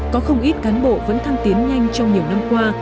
có không ít cán bộ vẫn thăng tiến nhanh trong nhiều năm qua